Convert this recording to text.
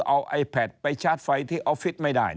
เอาไอแพทไปชาร์จไฟที่ออฟฟิศไม่ได้